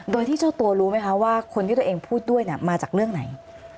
โดยที่เจ้าตัวรู้ไหมคะว่าคนที่ตัวเองพูดด้วยมาจากเรื่องไหน